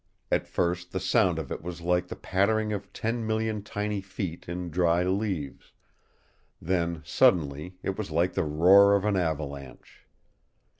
At first the sound of it was like the pattering of ten million tiny feet in dry leaves; then, suddenly, it was like the roar of an avalanche.